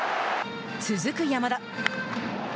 続く山田。